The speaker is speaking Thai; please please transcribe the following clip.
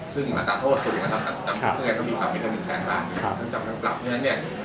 ซึ่งอาจทดสุดภาพแบบ๑แสนบาท